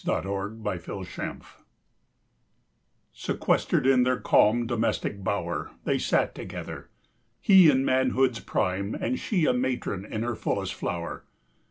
DOMESTIC BLISS IV Sequestered in their calm domestic bower, They sat together. He in manhood's prime And she a matron in her fullest flower.